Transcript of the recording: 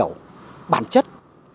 là chúng ta không phải thế chấp cái gì